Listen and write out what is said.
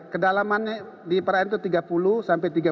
kedalamannya di perairan itu tiga puluh sampai